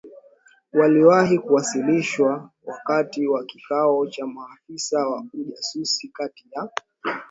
waliwahi kuwasilishwa wakati wa kikao cha maafisa wa ujasusi kati ya